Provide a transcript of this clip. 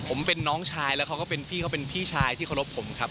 ผมเป็นน้องชายแล้วเขาก็เป็นพี่เขาเป็นพี่ชายที่เคารพผมครับ